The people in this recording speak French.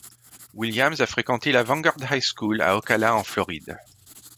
Williams a fréquenté la Vanguard High School à Ocala, en Floride.